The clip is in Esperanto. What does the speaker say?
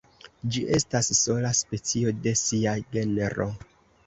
Ĝi estas sola specio de sia genro.